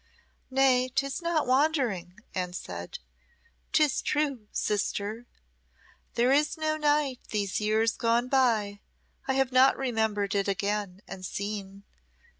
"Nay, 'tis not wandering," Anne said. "'Tis true, sister. There is no night these years gone by I have not remembered it again and seen.